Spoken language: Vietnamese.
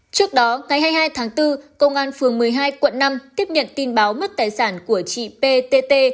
trước đó ngày hai mươi hai tháng bốn công an phường một mươi hai quận năm tiếp nhận tin báo mất tài sản của chị ptt